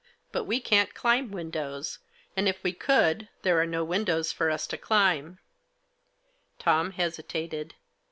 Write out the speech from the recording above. " But we can't climb windows ; and, if we could, there are no windows for us to climb/' Tom hesitated.